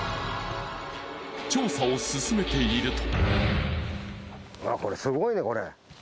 調査を進めていると。